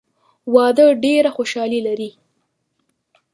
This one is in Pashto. واده ډېره خوشحالي لري.